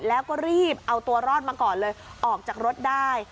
แล้วก็รีบเอาตัวรอดมาก่อนเลยออกจากรถได้